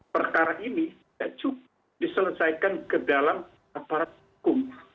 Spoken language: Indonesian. perkara ini tidak cukup diselesaikan ke dalam aparat hukum